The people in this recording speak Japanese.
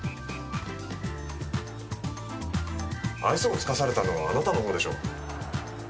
愛想をつかされたのはあなたの方でしょう。